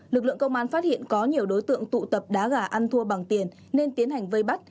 lực lượng công an phát hiện có nhiều đối tượng tụ tập đá gà ăn thua bằng tiền nên tiến hành vây bắt